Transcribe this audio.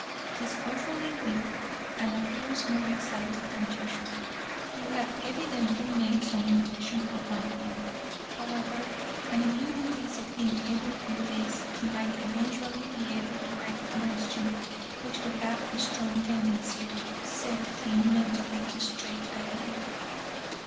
He is awfully weak, and appears more excited than usual. You have evidently made some impression upon him, however, and if you would visit him every few days he might eventually be able to recognize you, which would have a strong tendency to set him mentally straight again."